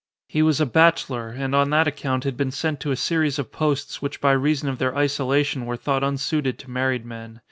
He was a bachelor and on that account had been sent to a series of posts which by reason of their isolation were thought unsuited to married men.